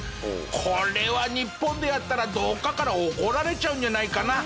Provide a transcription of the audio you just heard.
これは日本でやったらどこかから怒られちゃうんじゃないかな？